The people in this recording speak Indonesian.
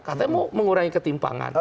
katanya mau mengurangi ketimpangan